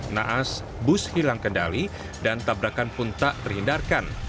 naas bus hilang kendali dan tabrakan pun tak terhindarkan